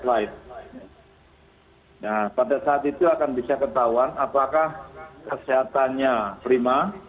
nah pada saat itu akan bisa ketahuan apakah kesehatannya prima